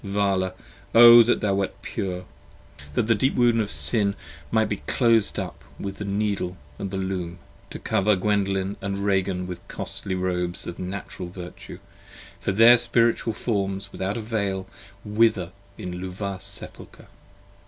Vala! O that thou wert pure! That the deep wound of Sin might be clos'd up with the Needle, And with the Loom: to cover Gwendolen & Ragan with costly Robes 15 Of Natural Virtue, for their Spiritual forms without a Veil Wither in Luvah's Sepulchre.